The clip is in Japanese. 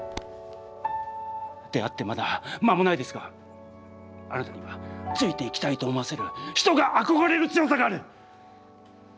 出会ってまだまもないですがあなたにはついていきたいと思わせる人が憧れる強さがある！